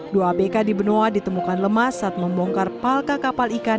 dua abk di benoa ditemukan lemas saat membongkar palka kapal ikan